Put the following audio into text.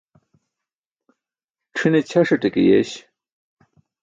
C̣ʰine ćʰasaṭe ke yeeś.